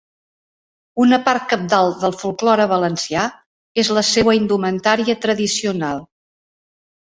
Una part cabdal del folklore valencià és la seua indumentària tradicional.